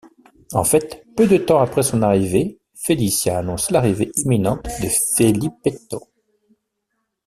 En fait, peu de temps après son arrivée Felicia annonce l'arrivée imminente de Felippetto.